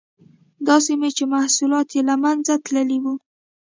دا سیمې چې محصولات یې له منځه تللي وو.